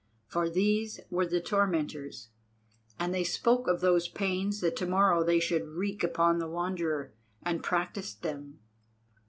For these were the tormentors, and they spoke of those pains that to morrow they should wreak upon the Wanderer, and practised them.